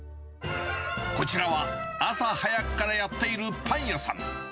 こちらは、朝早くからやっているパン屋さん。